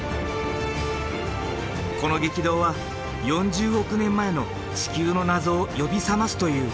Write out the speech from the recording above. この激動は４０億年前の地球の謎を呼び覚ますという。